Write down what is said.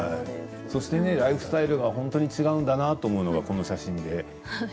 ライフスタイルが本当に違うんだなと思うのはこの写真ですね。